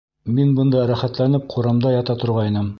— Мин бында рәхәтләнеп ҡурамда ята торғайным.